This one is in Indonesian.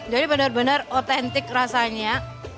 jadi bener bener otentik rasanya